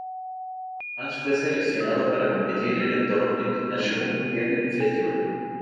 Además, fue seleccionada para competir en el Toronto International Film Festival.